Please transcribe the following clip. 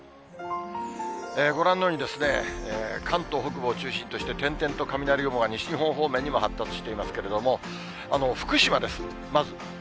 ご覧のように関東北部を中心として、点々と雷雲が西日本方面にも発達していますけれども、福島です、まず。